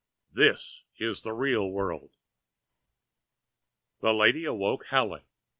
This is the real world." The lady awoke howling.